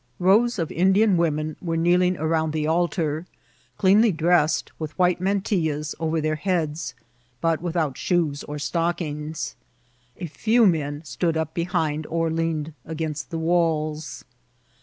Bows of Indian women were kneeling around the altar, .cleanly dressed, with white mantillas over their heads, but without shoes or stockings. A few men stood up behind or leaned against the walls.